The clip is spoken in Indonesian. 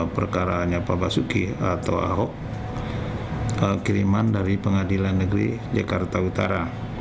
perkaranya pak basuki atau ahok kiriman dari pengadilan negeri jakarta utara